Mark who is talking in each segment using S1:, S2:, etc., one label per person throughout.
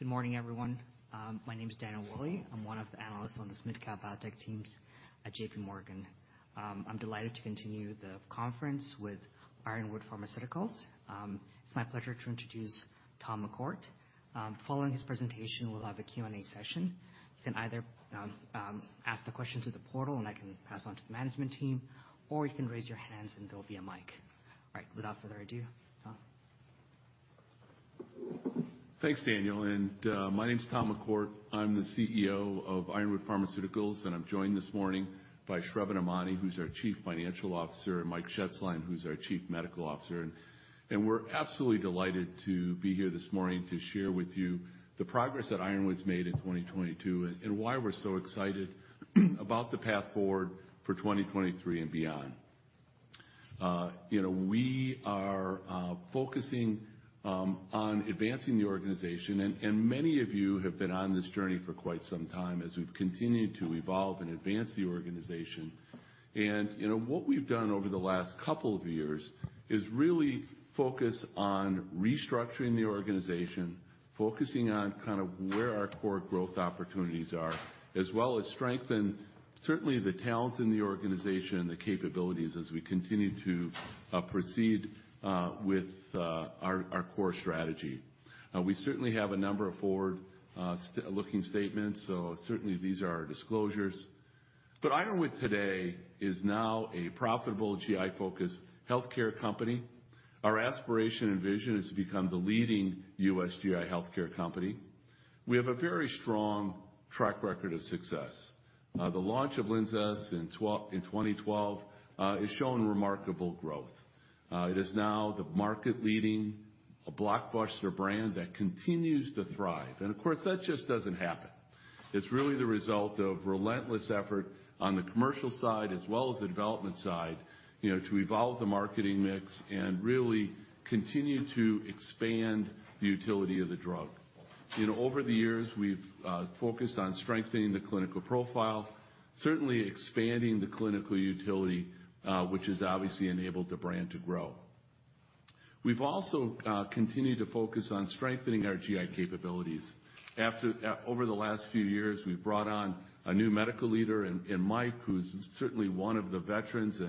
S1: Good morning, everyone. My name is Daniel Wolle. I'm one of the analysts on the mid-cap biotech teams at JPMorgan. I'm delighted to continue the conference with Ironwood Pharmaceuticals. It's my pleasure to introduce Tom McCourt. Following his presentation, we'll have a Q&A session. You can either ask the question through the portal, and I can pass on to the management team, or you can raise your hands, and there'll be a mic. All right. Without further ado, Tom.
S2: Thanks, Daniel. My name is Tom McCourt. I'm the CEO of Ironwood Pharmaceuticals, and I'm joined this morning by Sravan Emany, who's our Chief Financial Officer, and Michael Shetzline, who's our Chief Medical Officer. We're absolutely delighted to be here this morning to share with you the progress that Ironwood's made in 2022 and why we're so excited about the path forward for 2023 and beyond. You know, we are focusing on advancing the organization, and many of you have been on this journey for quite some time as we've continued to evolve and advance the organization. You know, what we've done over the last couple of years is really focus on restructuring the organization, focusing on kind of where our core growth opportunities are, as well as strengthen certainly the talent in the organization and the capabilities as we continue to proceed with our core strategy. We certainly have a number of forward-looking statements, so certainly, these are our disclosures. Ironwood today is now a profitable GI-focused healthcare company. Our aspiration and vision is to become the leading U.S., GI healthcare company. We have a very strong track record of success. The launch of LINZESS in 2012 has shown remarkable growth. It is now the market leading, a blockbuster brand that continues to thrive. Of course, that just doesn't happen. It's really the result of relentless effort on the commercial side as well as the development side, you know, to evolve the marketing mix and really continue to expand the utility of the drug. You know, over the years, we've focused on strengthening the clinical profile, certainly expanding the clinical utility, which has obviously enabled the brand to grow. We've also continued to focus on strengthening our GI capabilities. Over the last few years, we've brought on a new medical leader in Mike, who's certainly one of the veterans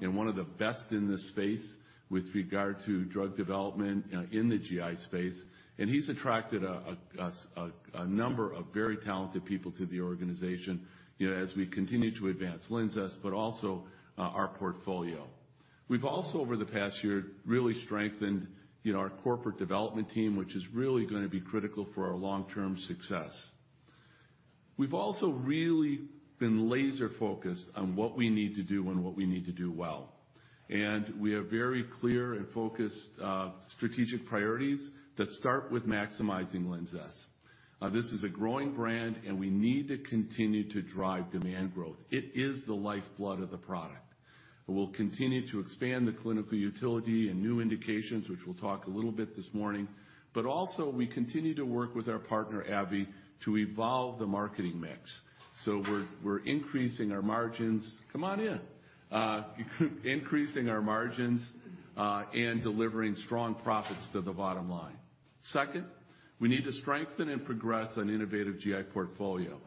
S2: and one of the best in this space with regard to drug development in the GI space. He's attracted a number of very talented people to the organization, you know, as we continue to advance LINZESS but also our portfolio. We've also over the past year, really strengthened, you know, our corporate development team, which is really gonna be critical for our long-term success. We've also really been laser-focused on what we need to do and what we need to do well. We have very clear and focused strategic priorities that start with maximizing LINZESS. This is a growing brand, and we need to continue to drive demand growth. It is the lifeblood of the product. We'll continue to expand the clinical utility and new indications, which we'll talk a little bit this morning. Also, we continue to work with our partner, AbbVie, to evolve the marketing mix. We're increasing our margins. Come on in. Increasing our margins and delivering strong profits to the bottom line. Second, we need to strengthen and progress an innovative GI portfolio.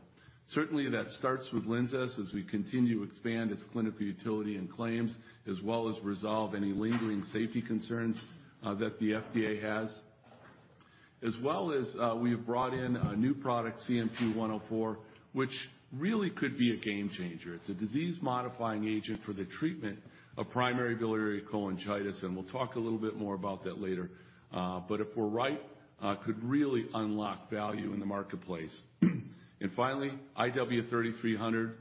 S2: Certainly, that starts with LINZESS as we continue to expand its clinical utility and claims, as well as resolve any lingering safety concerns that the FDA has. As well as, we have brought in a new product, CNP-104, which really could be a game changer. It's a disease-modifying agent for the treatment of primary biliary cholangitis, and we'll talk a little bit more about that later. If we're right, could really unlock value in the marketplace. Finally, IW-3300,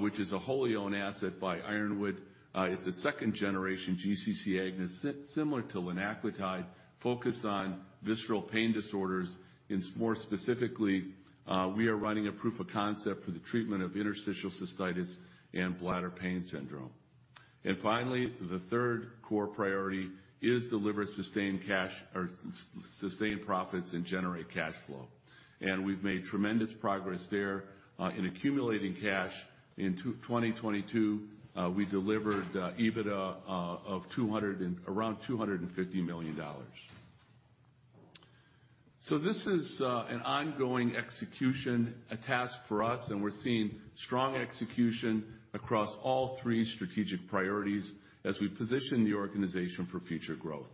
S2: which is a wholly owned asset by Ironwood, it's a second-generation GC-C agonist, similar to linaclotide, focused on visceral pain disorders. More specifically, we are running a proof of concept for the treatment of interstitial cystitis and bladder pain syndrome. Finally, the third core priority is deliver sustained cash or sustain profits and generate cash flow. We've made tremendous progress there, in accumulating cash. In 2022, we delivered EBITDA of around $250 million. This is an ongoing execution, a task for us, and we're seeing strong execution across all three strategic priorities as we position the organization for future growth.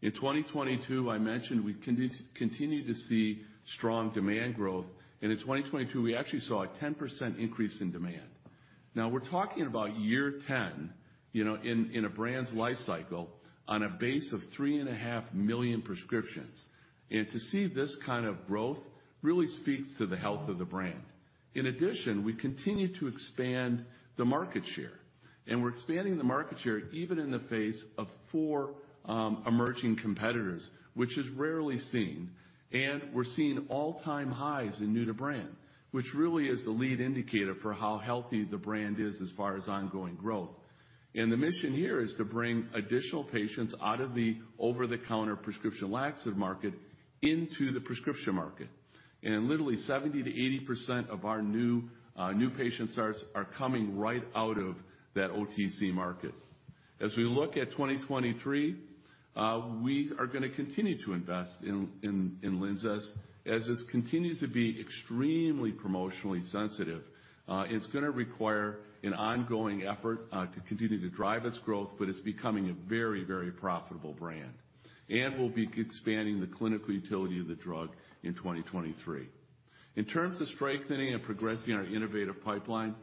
S2: In 2022, I mentioned we continue to see strong demand growth. In 2022, we actually saw a 10% increase in demand. Now we're talking about year 10, you know, in a brand's life cycle on a base of 3.5 million prescriptions. To see this kind of growth really speaks to the health of the brand. In addition, we continue to expand the market share, and we're expanding the market share even in the face of four emerging competitors, which is rarely seen. We're seeing all-time highs in new to brand, which really is the lead indicator for how healthy the brand is as far as ongoing growth. The mission here is to bring additional patients out of the over-the-counter prescription laxative market into the prescription market. Literally 70%-80% of our new patient starts are coming right out of that OTC market. As we look at 2023, we are gonna continue to invest in LINZESS, as this continues to be extremely promotionally sensitive. It's gonna require an ongoing effort to continue to drive its growth, but it's becoming a very, very profitable brand. We'll be expanding the clinical utility of the drug in 2023. In terms of strengthening and progressing our innovative pipeline,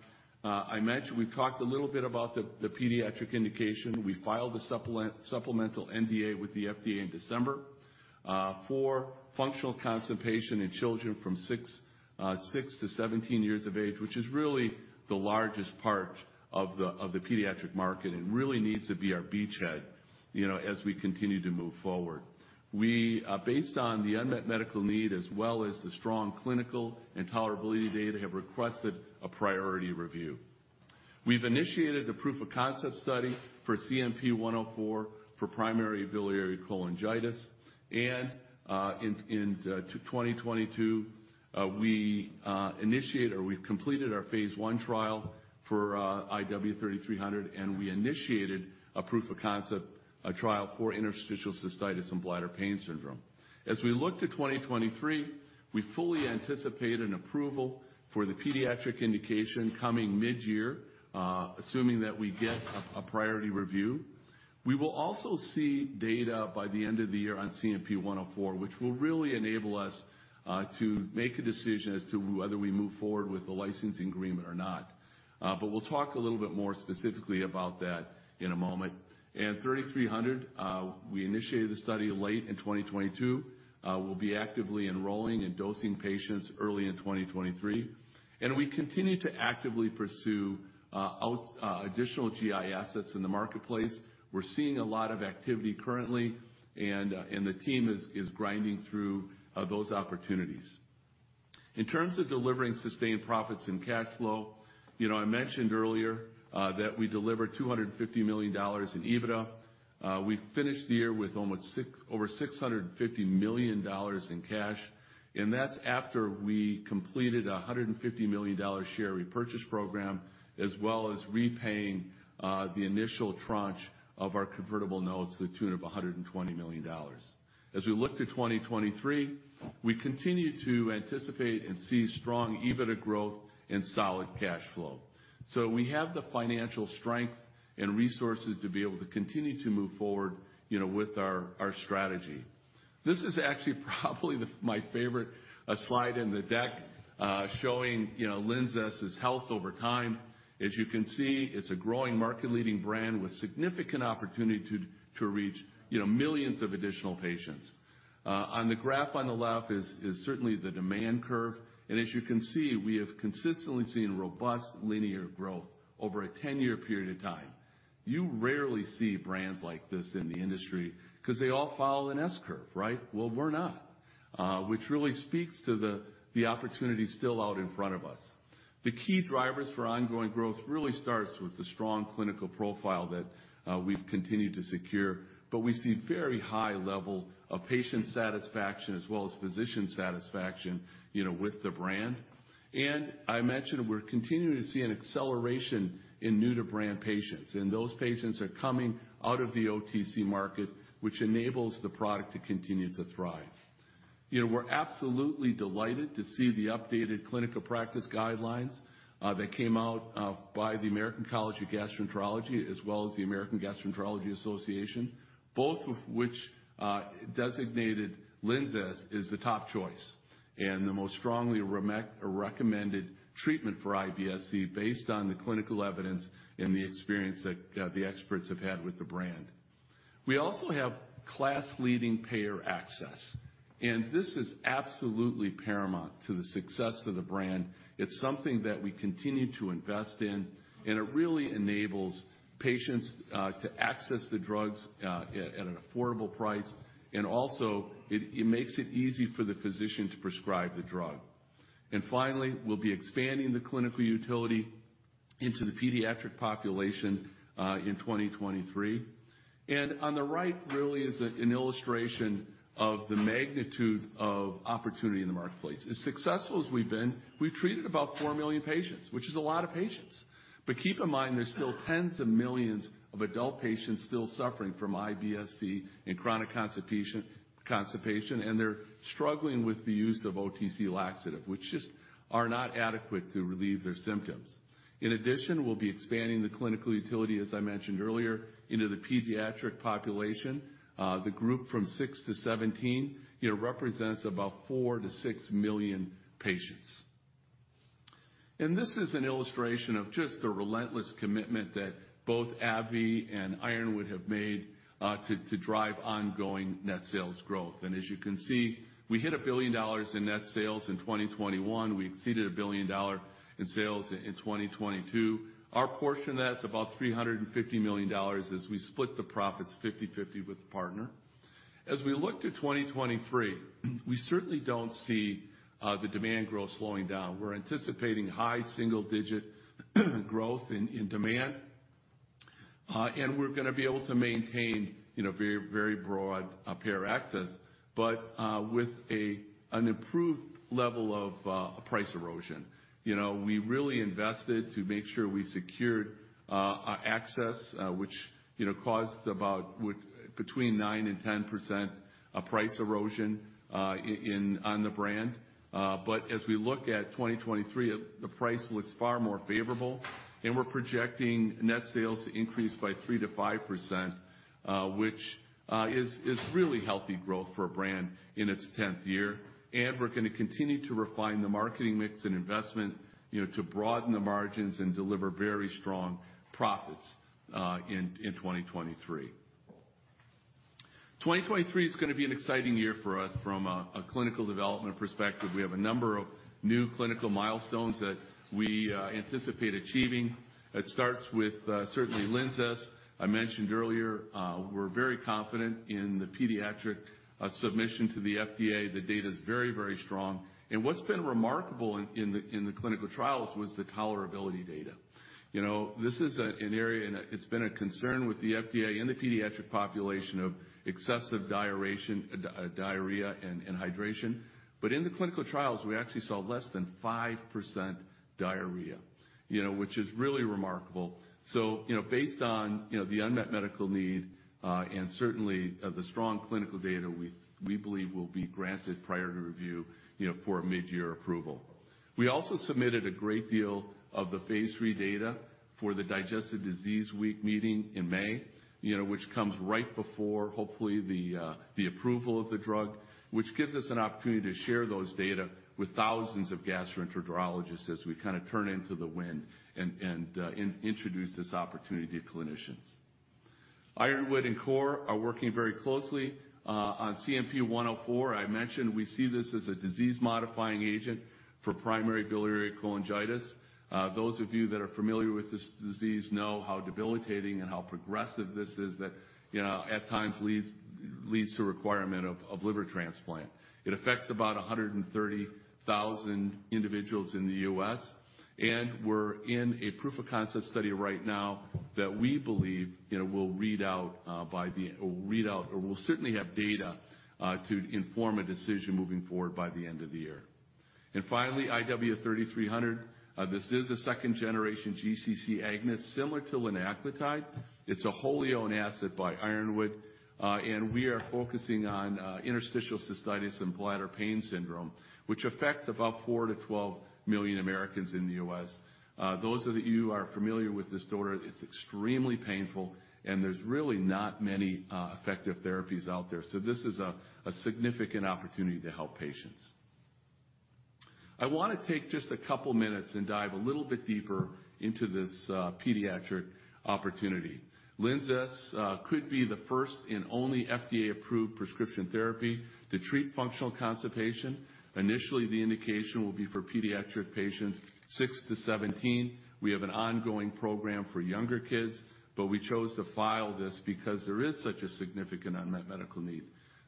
S2: I mentioned we've talked a little bit about the pediatric indication. We filed a supplemental NDA with the FDA in December for functional constipation in children from 6-17 years of age, which is really the largest part of the, of the pediatric market and really needs to be our beachhead, you know, as we continue to move forward. We, based on the unmet medical need as well as the strong clinical and tolerability data, have requested a priority review. We've initiated the proof of concept study for CNP-104 for primary biliary cholangitis. In 2022, we initiate or we've completed our phase I trial for IW-3300, and we initiated a proof of concept trial for interstitial cystitis and bladder pain syndrome. As we look to 2023, we fully anticipate an approval for the pediatric indication coming midyear, assuming that we get a priority review. We will also see data by the end of the year on CNP-104, which will really enable us to make a decision as to whether we move forward with the licensing agreement or not. We'll talk a little bit more specifically about that in a moment. 3300, we initiated the study late in 2022. We'll be actively enrolling and dosing patients early in 2023. We continue to actively pursue additional GI assets in the marketplace. We're seeing a lot of activity currently, and the team is grinding through those opportunities. In terms of delivering sustained profits and cash flow, you know, I mentioned earlier that we delivered $250 million in EBITDA. We finished the year with over $650 million in cash, and that's after we completed a $150 million share repurchase program as well as repaying the initial tranche of our convertible notes to the tune of $120 million. As we look to 2023, we continue to anticipate and see strong EBITDA growth and solid cash flow. We have the financial strength and resources to be able to continue to move forward, you know, with our strategy. This is actually probably my favorite slide in the deck showing, you know, LINZESS's health over time. As you can see, it's a growing market-leading brand with significant opportunity to reach, you know, millions of additional patients. On the graph on the left is certainly the demand curve. As you can see, we have consistently seen robust linear growth over a 10-year period of time. You rarely see brands like this in the industry because they all follow an S-curve, right? We're not, which really speaks to the opportunity still out in front of us. The key drivers for ongoing growth really starts with the strong clinical profile that we've continued to secure. We see very high level of patient satisfaction as well as physician satisfaction, you know, with the brand. I mentioned we're continuing to see an acceleration in new-to-brand patients, and those patients are coming out of the OTC market, which enables the product to continue to thrive. You know, we're absolutely delighted to see the updated clinical practice guidelines that came out by the American College of Gastroenterology as well as the American Gastroenterological Association, both of which designated LINZESS as the top choice and the most strongly recommended treatment for IBS-C based on the clinical evidence and the experience that the experts have had with the brand. We also have class-leading payer access. This is absolutely paramount to the success of the brand. It's something that we continue to invest in, and it really enables patients to access the drugs at an affordable price. Also, it makes it easy for the physician to prescribe the drug. Finally, we'll be expanding the clinical utility into the pediatric population in 2023. On the right really is an illustration of the magnitude of opportunity in the marketplace. As successful as we've been, we've treated about 4 million patients, which is a lot of patients. Keep in mind there's still tens of millions of adult patients still suffering from IBS-C and chronic constipation, and they're struggling with the use of OTC laxative, which just are not adequate to relieve their symptoms. In addition, we'll be expanding the clinical utility, as I mentioned earlier, into the pediatric population. The group from 6-17, you know, represents about 4 million-6 million patients. This is an illustration of just the relentless commitment that both AbbVie and Ironwood have made to drive ongoing net sales growth. As you can see, we hit $1 billion in net sales in 2021. We exceeded $1 billion in sales in 2022. Our portion of that's about $350 million as we split the profits 50/50 with the partner. We look to 2023, we certainly don't see the demand growth slowing down. We're anticipating high single-digit growth in demand. And we're gonna be able to maintain, you know, very, very broad payer access, but with an improved level of price erosion. You know, we really invested to make sure we secured access, which, you know, caused about between 9% and 10% price erosion on the brand. But as we look at 2023, the price looks far more favorable, and we're projecting net sales to increase by 3%-5%, which is really healthy growth for a brand in its 10th year. We're gonna continue to refine the marketing mix and investment, you know, to broaden the margins and deliver very strong profits in 2023. 2023 is gonna be an exciting year for us from a clinical development perspective. We have a number of new clinical milestones that we anticipate achieving. It starts with certainly LINZESS. I mentioned earlier, we're very confident in the pediatric submission to the FDA. The data is very, very strong. What's been remarkable in the clinical trials was the tolerability data. You know, this is an area and it's been a concern with the FDA in the pediatric population of excessive diarrhea and hydration. In the clinical trials, we actually saw less than 5% diarrhea, you know, which is really remarkable. You know, based on, you know, the unmet medical need, and certainly, the strong clinical data, we believe we'll be granted prior to review, you know, for a midyear approval. We also submitted a great deal of the phase III data for the Digestive Disease Week meeting in May, you know, which comes right before, hopefully, the approval of the drug, which gives us an opportunity to share those data with thousands of gastroenterologists as we kinda turn into the wind and introduce this opportunity to clinicians. Ironwood and COUR are working very closely, on CNP-104. I mentioned we see this as a disease-modifying agent for primary biliary cholangitis. Those of you that are familiar with this disease know how debilitating and how progressive this is that, you know, at times leads to requirement of liver transplant. It affects about 130,000 individuals in the U.S., we're in a proof of concept study right now that we believe, you know, will certainly have data to inform a decision moving forward by the end of the year. Finally, IW-3300. This is a second-generation GC-C agonist similar to linaclotide. It's a wholly owned asset by Ironwood, we are focusing on interstitial cystitis and bladder pain syndrome, which affects about 4 million-12 million Americans in the U.S. Those of you who are familiar with this disorder, it's extremely painful, and there's really not many effective therapies out there. This is a significant opportunity to help patients. I wanna take just a couple minutes and dive a little bit deeper into this pediatric opportunity. LINZESS could be the first and only FDA-approved prescription therapy to treat functional constipation. Initially, the indication will be for pediatric patients 6-17. We have an ongoing program for younger kids, we chose to file this because there is such a significant unmet medical need.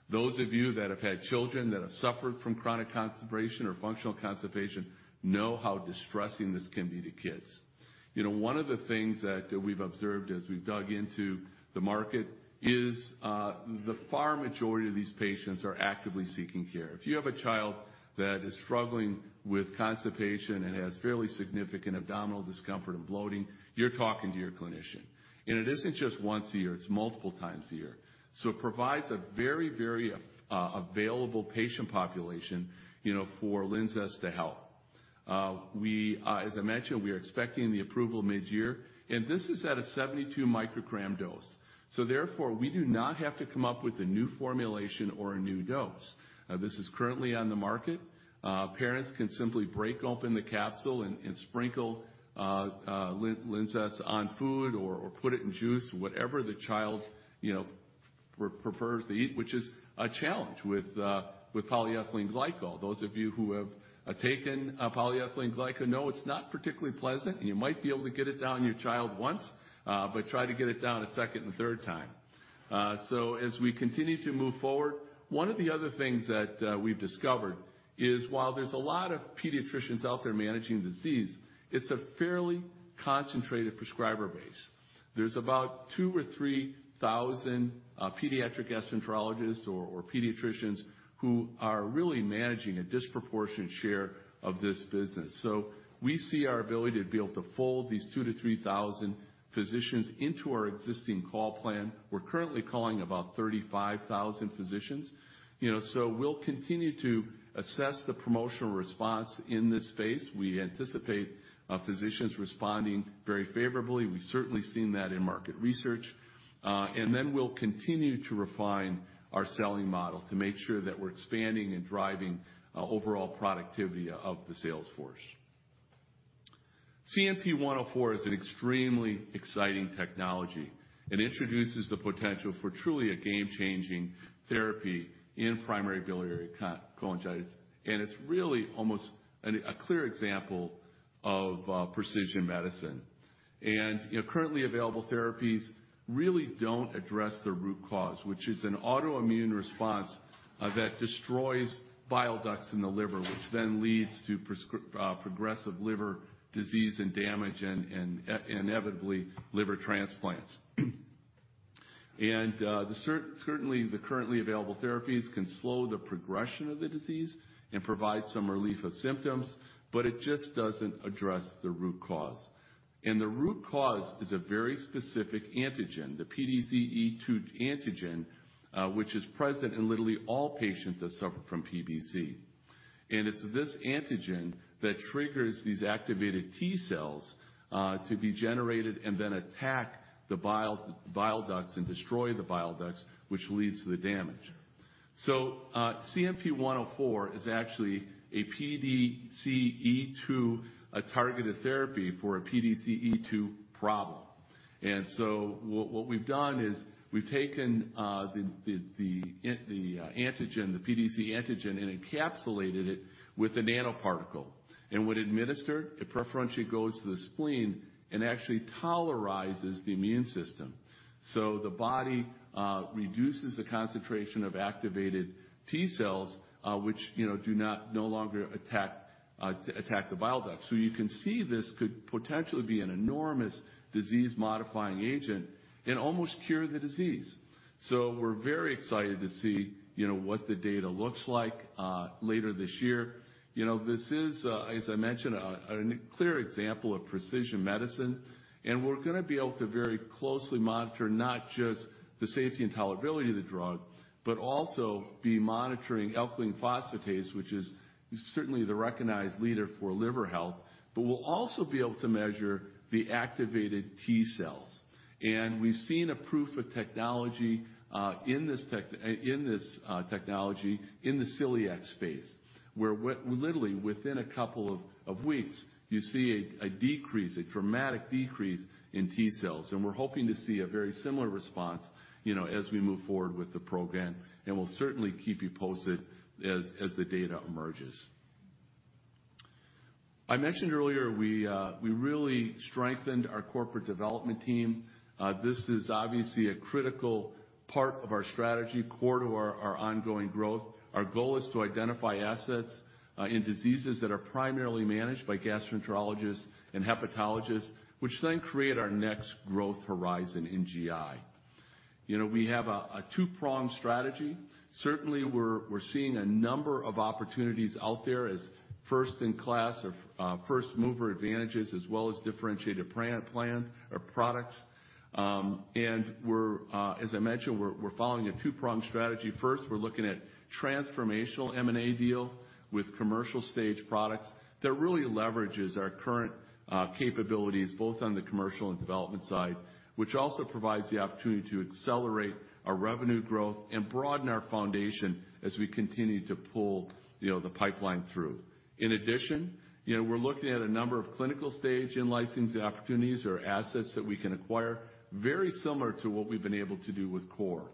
S2: Those of you that have had children that have suffered from chronic constipation or functional constipation know how distressing this can be to kids. You know, one of the things that we've observed as we've dug into the market is, the far majority of these patients are actively seeking care. If you have a child that is struggling with constipation and has fairly significant abdominal discomfort and bloating, you're talking to your clinician. It isn't just once a year, it's multiple times a year. It provides a very available patient population, you know, for LINZESS to help. We, as I mentioned, we are expecting the approval midyear, and this is at a 72 microgram dose. Therefore, we do not have to come up with a new formulation or a new dose. This is currently on the market. Parents can simply break open the capsule and sprinkle LINZESS on food or put it in juice, whatever the child, you know, prefers to eat, which is a challenge with Polyethylene glycol. Those of you who have taken polyethylene glycol know it's not particularly pleasant, you might be able to get it down your child once, but try to get it down a second and third time. As we continue to move forward, one of the other things that we've discovered is while there's a lot of pediatricians out there managing the disease, it's a fairly concentrated prescriber base. There's about 2,000 or 3,000 pediatric gastroenterologists or pediatricians who are really managing a disproportionate share of this business. We see our ability to be able to fold these 2,000-3,000 physicians into our existing call plan. We're currently calling about 35,000 physicians. You know, we'll continue to assess the promotional response in this space. We anticipate physicians responding very favorably. We've certainly seen that in market research. We'll continue to refine our selling model to make sure that we're expanding and driving overall productivity of the sales force. CNP-104 is an extremely exciting technology and introduces the potential for truly a game-changing therapy in primary biliary cholangitis, and it's really almost a clear example of precision medicine. You know, currently available therapies really don't address the root cause, which is an autoimmune response that destroys bile ducts in the liver, which then leads to progressive liver disease and damage and inevitably liver transplants. Certainly, the currently available therapies can slow the progression of the disease and provide some relief of symptoms, but it just doesn't address the root cause. The root cause is a very specific antigen, the PDC-E2 antigen, which is present in literally all patients that suffer from PBC. It's this antigen that triggers these activated T cells to be generated and then attack the bile ducts and destroy the bile ducts, which leads to the damage. CNP-104 is actually a PDC-E2, a targeted therapy for a PDC-E2 problem. What we've done is we've taken the antigen, the PDC antigen, and encapsulated it with a nanoparticle. When administered, it preferentially goes to the spleen and actually tolerizes the immune system. The body reduces the concentration of activated T cells, which, you know, do not no longer attack the bile ducts. You can see this could potentially be an enormous disease-modifying agent and almost cure the disease. We're very excited to see, you know, what the data looks like later this year. You know, this is, as I mentioned, an clear example of precision medicine, and we're gonna be able to very closely monitor not just the safety and tolerability of the drug, but also be monitoring alkaline phosphatase, which is certainly the recognized leader for liver health. We'll also be able to measure the activated T cells. We've seen a proof of technology in this technology in the celiac space, where literally, within a couple of weeks, you see a decrease, a dramatic decrease in T cells. We're hoping to see a very similar response, you know, as we move forward with the program, and we'll certainly keep you posted as the data emerges. I mentioned earlier, we really strengthened our corporate development team. This is obviously a critical part of our strategy, core to our ongoing growth. Our goal is to identify assets and diseases that are primarily managed by Gastroenterologists and Hepatologists, which then create our next growth horizon in GI. You know, we have a two-pronged strategy. Certainly, we're seeing a number of opportunities out there as first-in-class or first-mover advantages, as well as differentiated plans or products. We're, as I mentioned, we're following a two-pronged strategy. First, we're looking at transformational M&A deal with commercial stage products that really leverages our current capabilities, both on the commercial and development side, which also provides the opportunity to accelerate our revenue growth and broaden our foundation as we continue to pull, you know, the pipeline through. In addition, you know, we're looking at a number of clinical stage in-licensing opportunities or assets that we can acquire, very similar to what we've been able to do with COUR.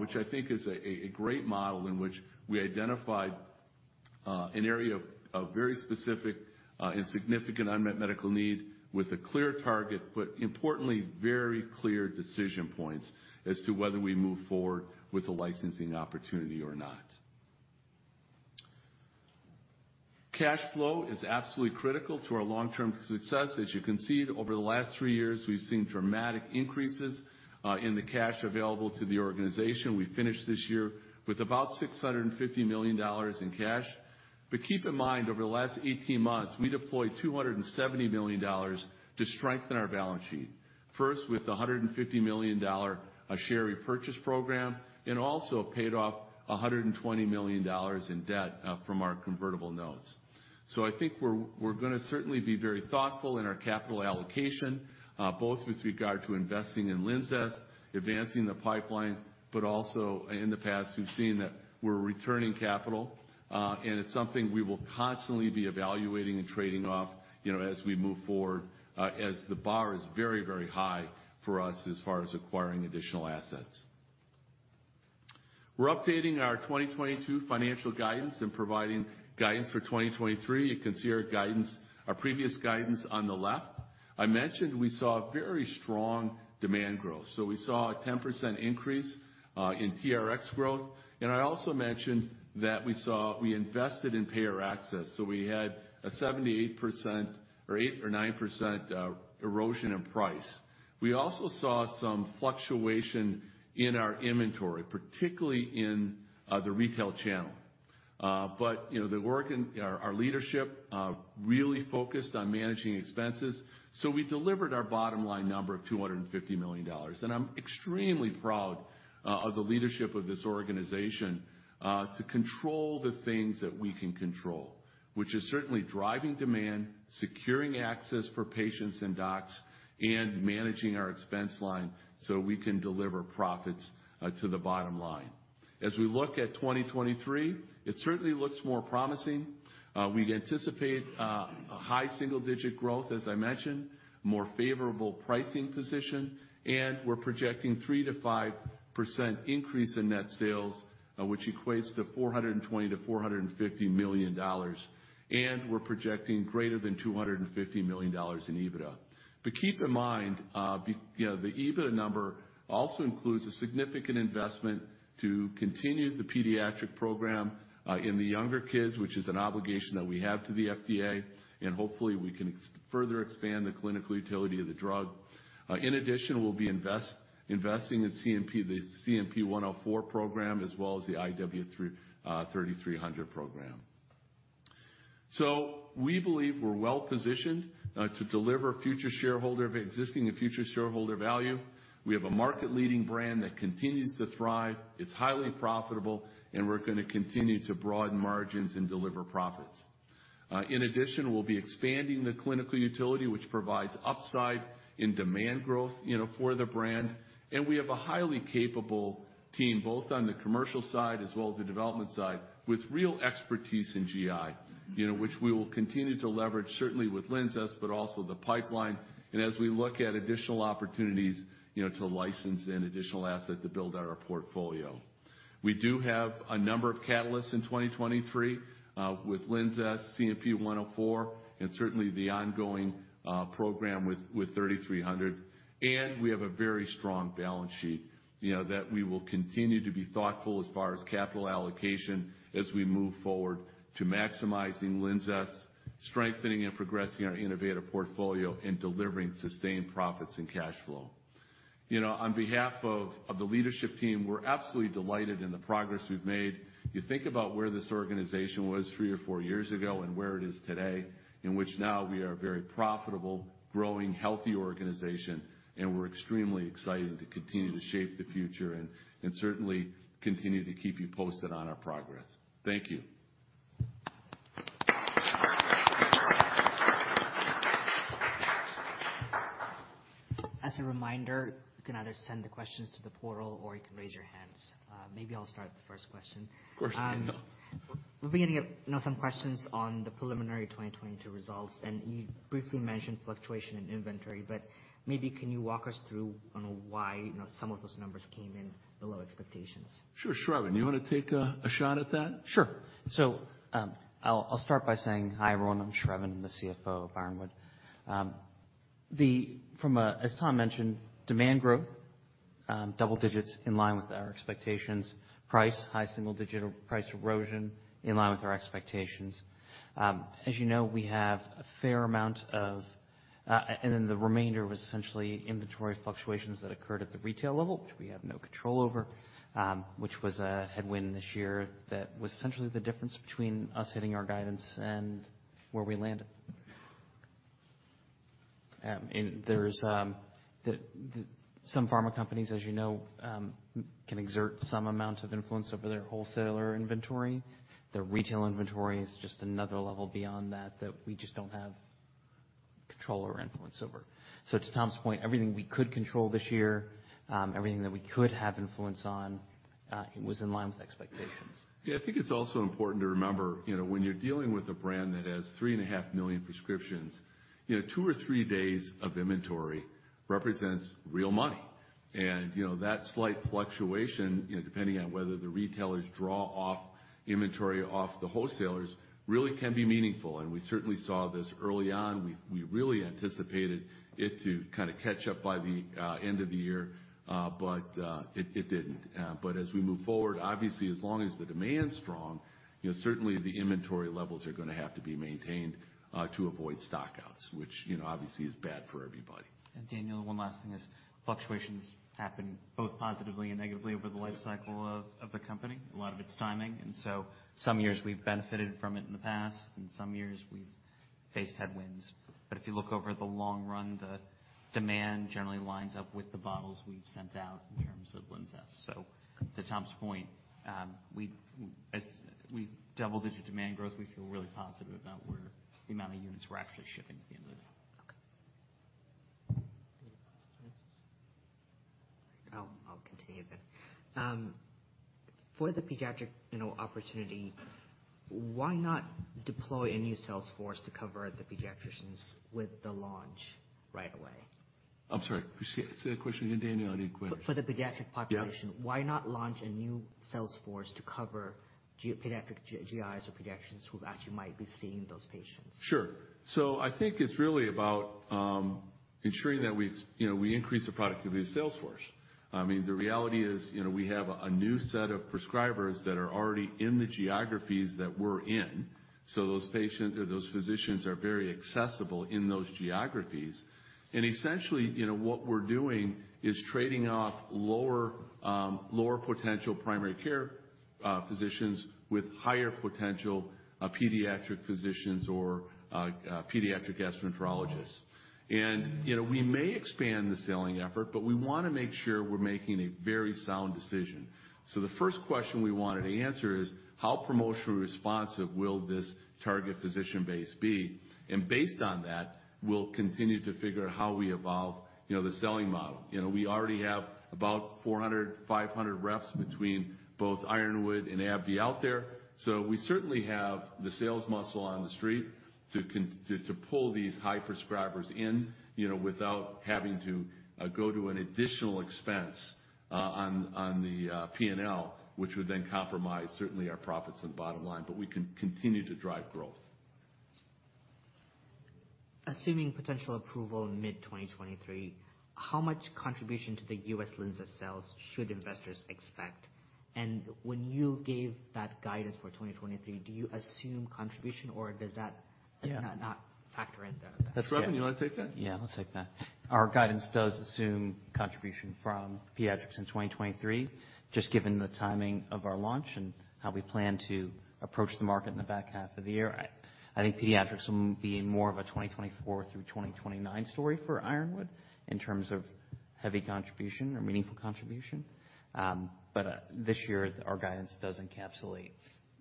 S2: Which I think is a great model in which we identified an area of very specific and significant unmet medical need with a clear target. Importantly, very clear decision points as to whether we move forward with the licensing opportunity or not. Cash flow is absolutely critical to our long-term success. As you can see, over the last THREE years, we've seen dramatic increases in the cash available to the organization. We finished this year with about $650 million in cash. Keep in mind, over the last 18 months, we deployed $270 million to strengthen our balance sheet. First, with a $150 million share repurchase program, also paid off $120 million in debt from our convertible notes. I think we're gonna certainly be very thoughtful in our capital allocation, both with regard to investing in LINZESS, advancing the pipeline, but also in the past, we've seen that we're returning capital. It's something we will constantly be evaluating and trading off, you know, as we move forward, as the bar is very, very high for us as far as acquiring additional assets. We're updating our 2022 financial guidance and providing guidance for 2023. You can see our guidance, our previous guidance on the left. I mentioned we saw very strong demand growth. We saw a 10% increase in TRX growth. I also mentioned that we invested in payer access, so we had a 78% or 8% or 9% erosion in price. We also saw some fluctuation in our inventory, particularly in the retail channel. You know, the work and our leadership really focused on managing expenses, so we delivered our bottom line number of $250 million. I'm extremely proud of the leadership of this organization to control the things that we can control, which is certainly driving demand, securing access for patients and docs, and managing our expense line so we can deliver profits to the bottom line. As we look at 2023, it certainly looks more promising. We anticipate a high single-digit growth, as I mentioned, more favorable pricing position, and we're projecting 3%-5% increase in net sales, which equates to $420 million-$450 million. We're projecting greater than $250 million in EBITDA. Keep in mind, you know, the EBITDA number also includes a significant investment to continue the pediatric program in the younger kids, which is an obligation that we have to the FDA, and hopefully, we can further expand the clinical utility of the drug. In addition, we'll be investing in CNP, the CNP-104 program, as well as the IW-3300 program. We believe we're well-positioned to deliver shareholder existing and future shareholder value. We have a market-leading brand that continues to thrive. It's highly profitable, and we're gonna continue to broaden margins and deliver profits. In addition, we'll be expanding the clinical utility, which provides upside and demand growth, you know, for the brand. We have a highly capable team, both on the commercial side as well as the development side, with real expertise in GI, you know, which we will continue to leverage, certainly with LINZESS, but also the pipeline. As we look at additional opportunities, you know, to license an additional asset to build our portfolio. We do have a number of catalysts in 2023 with LINZESS, CNP-104, and certainly the ongoing program with IW-3300. We have a very strong balance sheet, you know, that we will continue to be thoughtful as far as capital allocation as we move forward to maximizing LINZESS, strengthening and progressing our innovative portfolio, and delivering sustained profits and cash flow. You know, on behalf of the leadership team, we're absolutely delighted in the progress we've made. You think about where this organization was three or four years ago and where it is today, in which now we are a very profitable, growing, healthy organization, and we're extremely excited to continue to shape the future and certainly continue to keep you posted on our progress. Thank you.
S1: As a reminder, you can either send the questions to the portal or you can raise your hands. Maybe I'll start the first question.
S2: Of course, Daniel.
S1: We're beginning to get, you know, some questions on the preliminary 2022 results, and you briefly mentioned fluctuation in inventory, but maybe can you walk us through on why, you know, some of those numbers came in below expectations?
S2: Sure. Sravan, you wanna take a shot at that?
S3: I'll start by saying hi, everyone. I'm SRAVAN. I'm the CFO of Ironwood. As Tom mentioned, demand growth, double digits in line with our expectations. Price, high single digit. Price erosion, in line with our expectations. As you know, we have a fair amount of. The remainder was essentially inventory fluctuations that occurred at the retail level, which we have no control over, which was a headwind this year that was essentially the difference between us hitting our guidance and where we landed. And there's, some pharma companies, as you know, can exert some amount of influence over their wholesaler inventory. Their retail inventory is just another level beyond that we just don't have control or influence over. To Tom's point, everything we could control this year, everything that we could have influence on, it was in line with expectations.
S2: Yeah, I think it's also important to remember, you know, when you're dealing with a brand that has $3.5 million prescriptions, you know, two or three days of inventory represents real money. You know, that slight fluctuation, you know, depending on whether the retailers draw off inventory off the wholesalers, really can be meaningful. We certainly saw this early on. We really anticipated it to kinda catch up by the end of the year, but it didn't. As we move forward, obviously as long as the demand's strong, you know, certainly the inventory levels are gonna have to be maintained to avoid stockouts, which, you know, obviously is bad for everybody.
S3: Daniel, one last thing is fluctuations happen both positively and negatively over the life cycle of the company. A lot of it's timing. Some years we've benefited from it in the past, and some years we've faced headwinds. If you look over the long run, the demand generally lines up with the bottles we've sent out in terms of LINZESS. To Tom's point, as we've double-digit demand growth, we feel really positive about where the amount of units we're actually shipping at the end of the day.
S1: Okay. I'll continue then. For the pediatric, you know, opportunity, why not deploy a new sales force to cover the pediatricians with the launch right away?
S2: I'm sorry. Say again the question again, Daniel. I didn't quite-
S1: For the pediatric population.
S2: Yeah.
S1: Why not launch a new sales force to cover pediatric GIs or pediatricians who actually might be seeing those patients?
S2: Sure. I think it's really about, ensuring that we, you know, we increase the productivity of the sales force. I mean, the reality is, you know, we have a new set of prescribers that are already in the geographies that we're in. Those patient or those physicians are very accessible in those geographies. Essentially, you know, what we're doing is trading off lower potential primary care physicians with higher potential pediatric physicians or pediatric gastroenterologists. You know, we may expand the selling effort, but we wanna make sure we're making a very sound decision. The first question we wanted to answer is, how promotionally responsive will this target physician base be? Based on that, we'll continue to figure out how we evolve, you know, the selling model. You know, we already have about 400, 500 reps between both Ironwood and AbbVie out there. So we certainly have the sales muscle on the street To pull these high prescribers in, you know, without having to go to an additional expense on the P&L, which would then compromise certainly our profits and bottom line, but we can continue to drive growth.
S1: Assuming potential approval in mid 2023, how much contribution to the U.S. LINZESS sales should investors expect? When you gave that guidance for 2023, do you assume contribution or?
S2: Yeah.
S1: Not factor in that.
S2: Yes. Reuben, you want to take that?
S3: Yeah, I'll take that. Our guidance does assume contribution from pediatrics in 2023, just given the timing of our launch and how we plan to approach the market in the back half of the year. I think pediatrics will be more of a 2024 through 2029 story for Ironwood in terms of heavy contribution or meaningful contribution. This year our guidance does encapsulate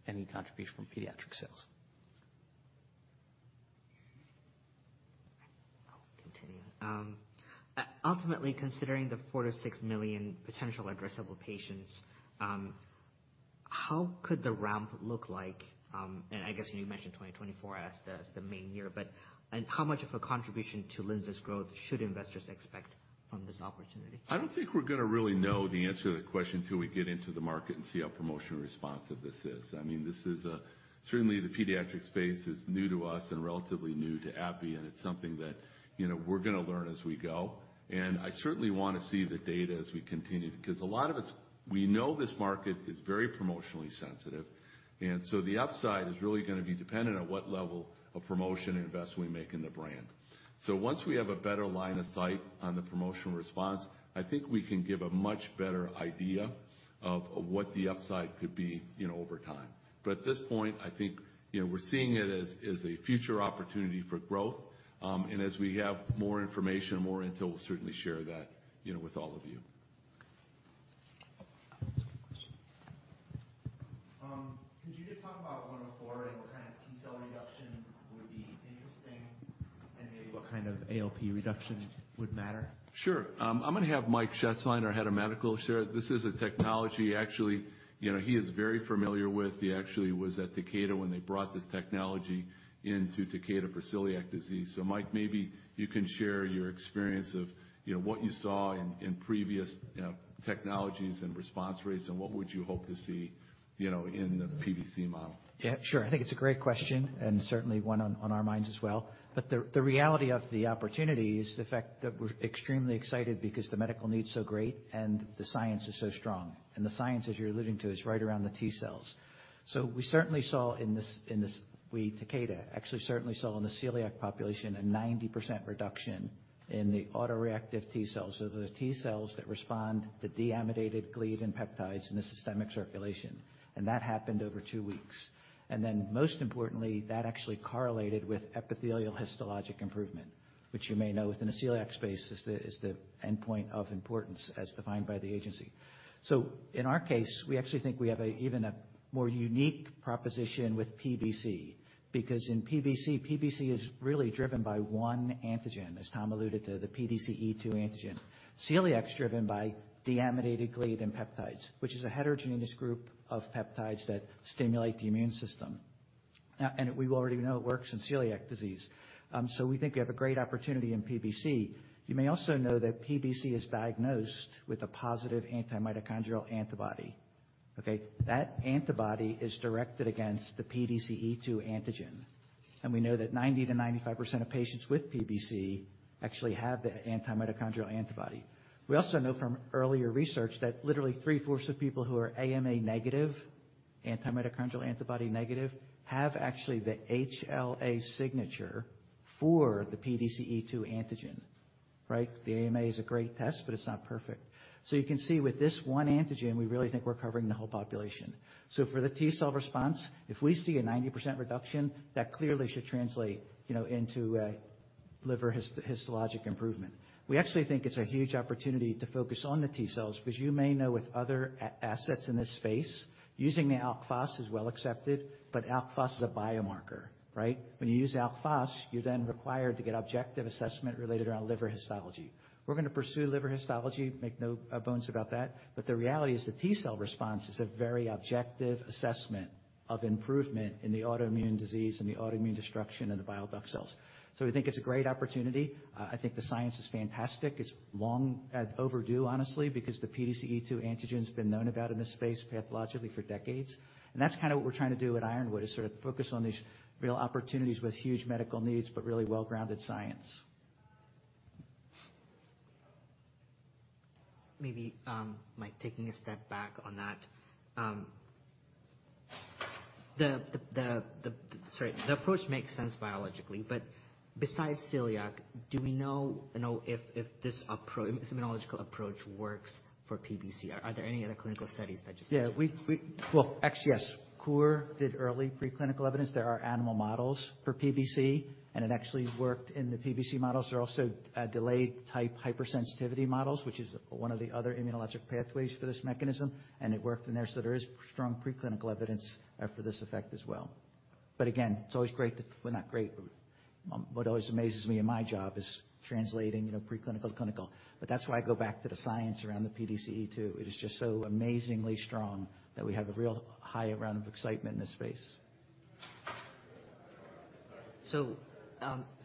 S3: any contribution from pediatric sales. I'll continue. Ultimately considering the 4 million-6 million potential addressable patients, how could the ramp look like? I guess you mentioned 2024 as the main year, how much of a contribution to LINZESS's growth should investors expect from this opportunity?
S2: I don't think we're gonna really know the answer to the question till we get into the market and see how promotion responsive this is. I mean, this is certainly the pediatric space is new to us and relatively new to AbbVie, and it's something that, you know, we're gonna learn as we go. I certainly wanna see the data as we continue, because a lot of it's, we know this market is very promotionally sensitive, and so the upside is really gonna be dependent on what level of promotion and investment we make in the brand. Once we have a better line of sight on the promotional response, I think we can give a much better idea of what the upside could be, you know, over time. At this point, I think, you know, we're seeing it as a future opportunity for growth. As we have more information, more intel, we'll certainly share that, you know, with all of you.
S4: That's a good question.
S5: Could you just talk about CNP-104 and what kind of T-cell reduction would be interesting and maybe what kind of ALP reduction would matter?
S2: Sure. I'm gonna have Michael Shetzline, our head of medical, share. This is a technology, actually, you know, he is very familiar with. He actually was at Takeda when they brought this technology into Takeda for celiac disease. Michael, maybe you can share your experience of, you know, what you saw in previous, you know, technologies and response rates and what would you hope to see, you know, in the PBC model.
S4: Yeah, sure. I think it's a great question, and certainly one on our minds as well. The reality of the opportunity is the fact that we're extremely excited because the medical need's so great and the science is so strong. The science, as you're alluding to, is right around the T-cells. We certainly saw in this, Takeda, actually certainly saw in the celiac population a 90% reduction in the autoreactive T-cells. The T-cells that respond to deamidated gliadin peptides in the systemic circulation. That happened over 2 weeks. Most importantly, that actually correlated with epithelial histologic improvement, which you may know within the celiac space is the endpoint of importance as defined by the agency. In our case, we actually think we have a even a more unique proposition with PBC, because in PBC is really driven by 1 antigen, as Tom alluded to, the PDC-E2 antigen. Celiac's driven by deamidated gliadin peptides, which is a heterogeneous group of peptides that stimulate the immune system. We already know it works in celiac disease. We think we have a great opportunity in PBC. You may also know that PBC is diagnosed with a positive antimitochondrial antibody. Okay? That antibody is directed against the PDC-E2 antigen, we know that 90%-95% of patients with PBC actually have the antimitochondrial antibody. We also know from earlier research that literally three-fourths of people who are AMA negative, antimitochondrial antibody negative, have actually the HLA signature for the PDC-E2 antigen, right? The AMA is a great test, it's not perfect. You can see with this 1 antigen, we really think we're covering the whole population. For the T-cell response, if we see a 90% reduction, that clearly should translate, you know, into a liver histologic improvement. We actually think it's a huge opportunity to focus on the T-cells, 'cause you may know with other assets in this space, using the Alk Phos is well accepted, Alk Phos is a biomarker, right? When you use Alk Phos, you're then required to get objective assessment related around liver histology. We're gonna pursue liver histology, make no bones about that. The reality is the T-cell response is a very objective assessment of improvement in the autoimmune disease and the autoimmune destruction in the bile duct cells. We think it's a great opportunity. I think the science is fantastic. It's long overdue, honestly, because the PDC-E2 antigen's been known about in this space pathologically for decades. That's kinda what we're trying to do at Ironwood, is sort of focus on these real opportunities with huge medical needs, but really well-grounded science. Maybe, Mike, taking a step back on that. Sorry. The approach makes sense biologically, but besides celiac, do we know if this approach, immunological approach works for PBC? Are there any other clinical studies that just-
S2: Well, actually, yes. COUR did early preclinical evidence. There are animal models for PBC, and it actually worked in the PBC models. There are also delayed-type hypersensitivity models, which is one of the other immunologic pathways for this mechanism, and it worked in there. There is strong preclinical evidence for this effect as well. Again, it's always great to Well, not great. What always amazes me in my job is translating, you know, preclinical to clinical. That's why I go back to the science around the PDC-E2. It is just so amazingly strong that we have a real high round of excitement in this space.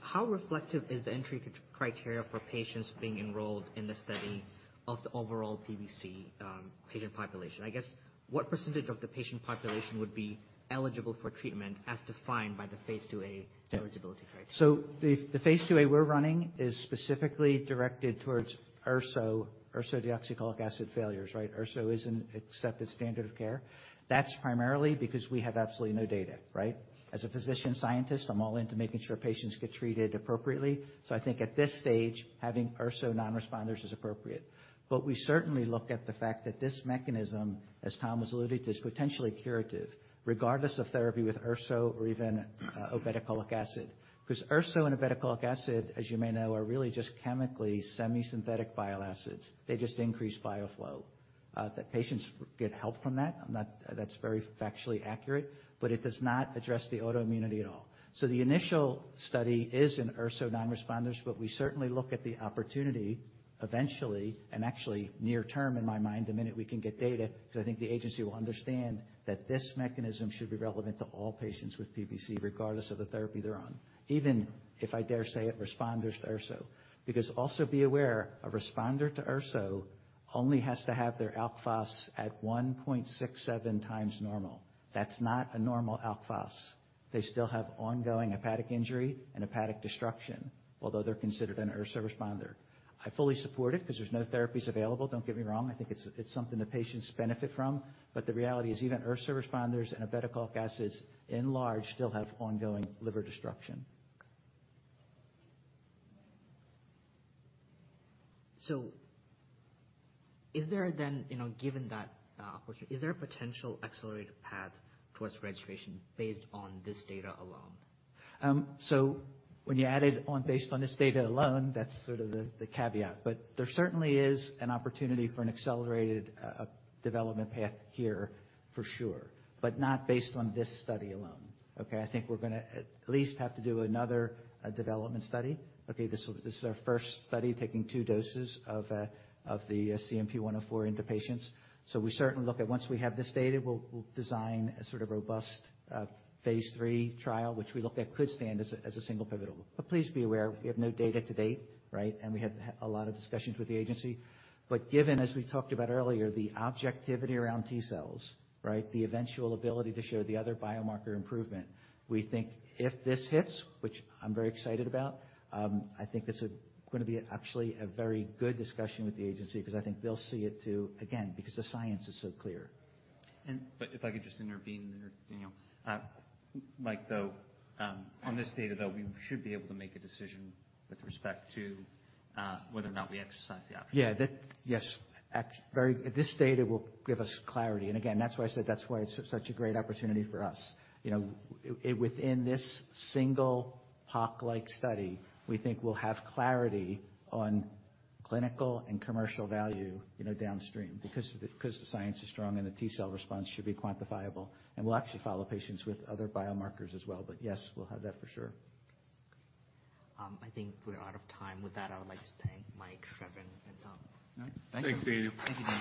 S1: How reflective is the entry criteria for patients being enrolled in the study of the overall PBC patient population? I guess, what percentage of the patient population would be eligible for treatment as defined by the phase II?
S4: Yeah.
S1: Eligibility criteria?
S4: The phase IIa we're running is specifically directed towards URSO, Ursodeoxycholic acid failures, right. URSO is an accepted standard of care. That's primarily because we have absolutely no data, right. As a physician scientist, I'm all into making sure patients get treated appropriately. I think at this stage, having URSO non-responders is appropriate. We certainly look at the fact that this mechanism, as Tom has alluded to, is potentially curative regardless of therapy with URSO or even Obeticholic acid. Because URSO and Obeticholic acid, as you may know, are really just chemically semi-synthetic bile acids. They just increase bile flow. The patients get help from that. That's very factually accurate, but it does not address the autoimmunity at all. The initial study is in URSO non-responders, but we certainly look at the opportunity eventually, and actually near term in my mind, the minute we can get data, because I think the agency will understand that this mechanism should be relevant to all patients with PBC, regardless of the therapy they're on. Even if I dare say it, responders to URSO. Also be aware, a responder to URSO only has to have their Alk Phos at 1.67x normal. That's not a normal Alk Phos. They still have ongoing hepatic injury and hepatic destruction, although they're considered an URSO responder. I fully support it because there's no therapies available. Don't get me wrong, I think it's something the patients benefit from, but the reality is even URSO responders and Obeticholic acids in large still have ongoing liver destruction.
S1: Is there then, you know, given that opportunity, is there a potential accelerated path towards registration based on this data alone?
S4: When you added on, "Based on this data alone," that's sort of the caveat. There certainly is an opportunity for an accelerated development path here for sure, but not based on this study alone, okay? I think we're gonna at least have to do another development study. Okay. This is our first study taking two doses of CNP-104 into patients. We certainly look at once we have this data, we'll design a sort of robust phase III trial, which we look at could stand as a single pivotal. Please be aware, we have no data to date, right? We have a lot of discussions with the agency. Given, as we talked about earlier, the objectivity around T cells, right, the eventual ability to show the other biomarker improvement, we think if this hits, which I'm very excited about, I think it's going to be actually a very good discussion with the agency because I think they'll see it too, again, because the science is so clear.
S3: If I could just intervene there, Daniel. Mike, though, on this data, though, we should be able to make a decision with respect to whether or not we exercise the option.
S4: Yes. This data will give us clarity. Again, that's why I said it's such a great opportunity for us. You know, within this single hawk-like study, we think we'll have clarity on clinical and commercial value, you know, downstream because the science is strong and the T cell response should be quantifiable. We'll actually follow patients with other biomarkers as well. Yes, we'll have that for sure.
S1: I think we're out of time. With that, I would like to thank Mike, Sravan, and Tom.
S3: All right. Thank you. Thanks, Daniel.
S1: Thank you.